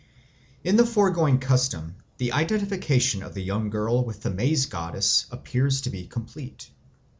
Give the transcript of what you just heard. In the foregoing custom the identification of the young girl with the Maize Goddess appears to be complete.